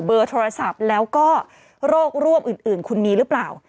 เบอร์โทรศัพท์แล้วก็โรคร่วมอื่นคุณมีหรือเปล่า